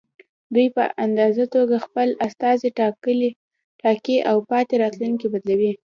دوی په ازاده توګه خپل استازي ټاکي او پاتې راتلونکي بدلوي.